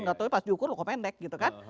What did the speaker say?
nggak tau pas diukur kok pendek gitu kan